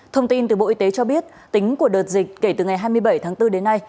thông tin từ bộ y tế cho biết tính của đợt dịch kể từ ngày hai mươi bảy tháng bốn đến nay